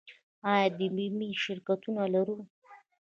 آیا د بیمې شرکتونه لرو؟